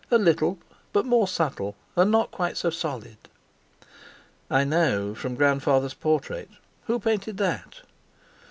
"A little, but more subtle, and not quite so solid." "I know, from grandfather's portrait; who painted that?"